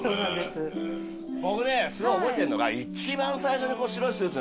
僕ねすごい覚えてんのが一番。